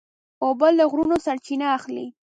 اوبه له غرونو سرچینه اخلي.